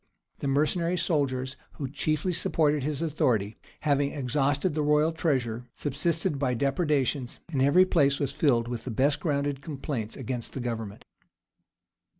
The mercenary soldiers, who chiefly supported his authority, having exhausted the royal treasure, subsisted by depredations; and every place was filled with the best grounded complaints against the government.